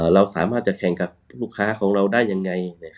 เราสามารถจะแข่งกับลูกค้าของเราได้ยังไง